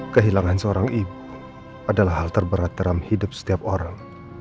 kehilangan seorang ibu adalah hal terberat dalam hidup setiap orang